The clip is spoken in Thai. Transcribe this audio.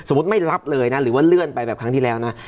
ไม่รับเลยนะหรือว่าเลื่อนไปแบบครั้งที่แล้วนะ